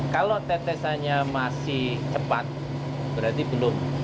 kalau tetesannya masih cepat berarti belum